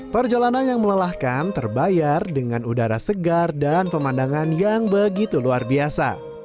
perjalanan yang melelahkan terbayar dengan udara segar dan pemandangan yang begitu luar biasa